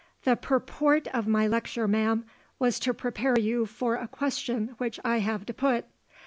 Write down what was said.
"The purport of my lecture, ma'am, was to prepare you for a question which I have to put.